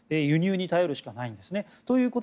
輸入に頼るしかないんですね。